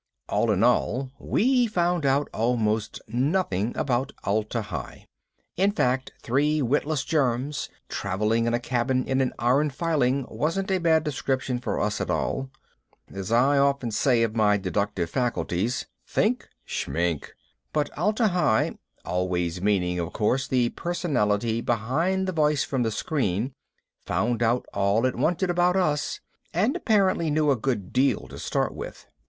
All in all, we found out almost nothing about Atla Hi. In fact, three witless germs traveling in a cabin in an iron filing wasn't a bad description of us at all. As I often say of my deductive faculties think shmink! But Atla Hi (always meaning, of course, the personality behind the voice from the screen) found out all it wanted about us and apparently knew a good deal to start with.